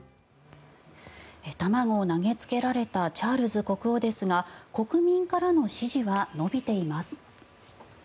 卵を投げつけられたチャールズ国王ですが国民からの支持は伸びています。